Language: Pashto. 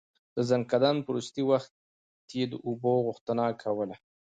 د ځنکدن په وروستی وخت يې د اوبو غوښتنه کوله.